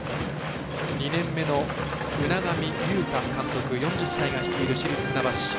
２年目の海上雄大監督４０歳が率いる市立船橋。